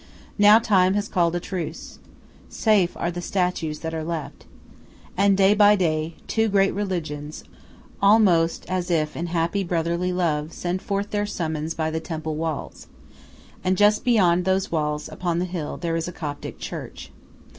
Now time has called a truce. Safe are the statues that are left. And day by day two great religions, almost as if in happy brotherly love, send forth their summons by the temple walls. And just beyond those walls, upon the hill, there is a Coptic church.